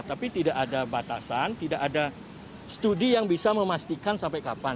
tapi tidak ada batasan tidak ada studi yang bisa memastikan sampai kapan